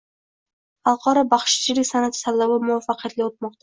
Xalqaro baxshichilik san’ati tanlovi muvaffaqiyatli o‘tmoqda